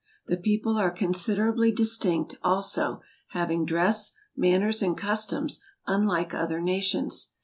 The people are con¬ siderably distinct also, having dress, manners, and customs, unlike other nations.